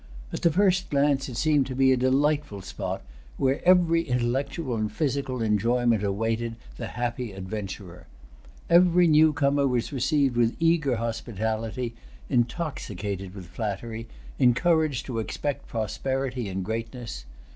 At the first glance it seemed to be a delightful spot, where every intellectual and physical enjoyment awaited the[Pg 283] happy adventurer. Every newcomer was received with eager hospitality, intoxicated with flattery, encouraged to expect prosperity and greatness.